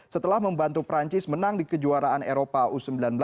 setelah membantu perancis menang di kejuaraan eropa u sembilan belas